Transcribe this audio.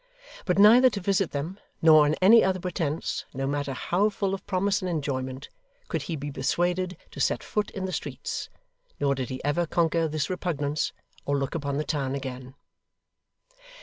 But neither to visit them, nor on any other pretence, no matter how full of promise and enjoyment, could he be persuaded to set foot in the streets: nor did he ever conquer this repugnance or look upon the town again.